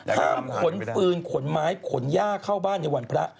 ห้ามขนฟืนขนไม้ขนหญ้าเข้าบ้านในวันพระ